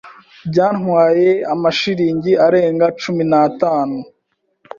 Byantwaye amashiringi arenga cumi natanu.